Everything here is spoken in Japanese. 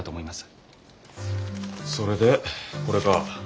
それでこれか。